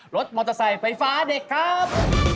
รถมอเตอร์ไซค์ไฟฟ้าเด็กครับ